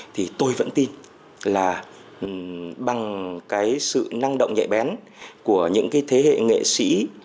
thì tôi vẫn tin là bằng cái sự năng động nhạy bén của những cái thế hệ nghệ sĩ